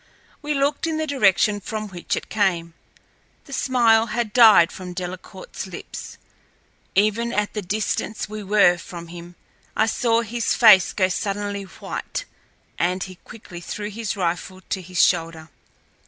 We looked in the direction from which it came. The smile had died from Delcarte's lips. Even at the distance we were from him I saw his face go suddenly white, and he quickly threw his rifle to his shoulder.